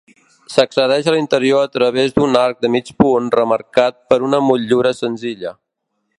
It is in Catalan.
S'accedeix a l'interior a través d'un arc de mig punt remarcat per una motllura senzilla.